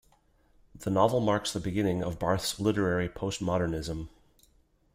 The novel marks the beginning of Barth's literary postmodernism.